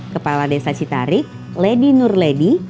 kepala desa citarik lady nur lady